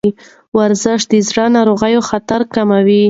ورزش د زړه ناروغیو خطر کموي.